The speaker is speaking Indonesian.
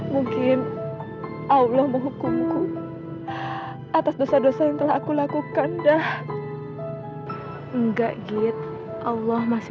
mungkin allah menghukumku atas dosa dosa yang telah aku lakukan dah enggak gitu allah masih